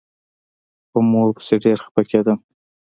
په مور پسې ډېر خپه کېدم.